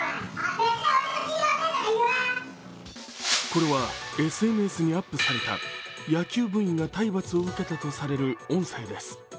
これはＳＮＳにアップされた野球部員が体罰を受けたとされる音声です。